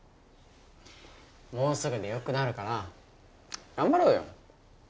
もうすぐ良くなるから頑張ろうよ。